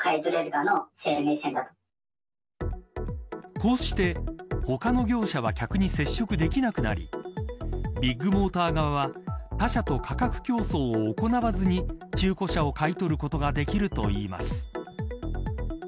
こうして他の業者は客に接触できなくなりビッグモーター側は他社と価格競争を行わずに中古車を買い取ることができるといいます。